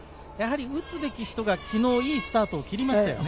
打つべき人が昨日いいスタートを切りましたよね。